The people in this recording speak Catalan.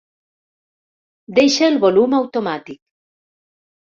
Deixa el volum automàtic.